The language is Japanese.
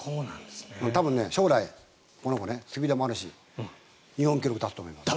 多分将来、この子スピードもあるし日本記録出すと思います。